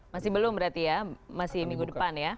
masih belum berarti ya masih minggu depan ya